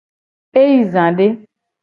E yi za de.